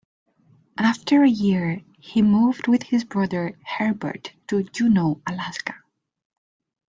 After a year, he moved with his brother Herbert to Juneau, Alaska.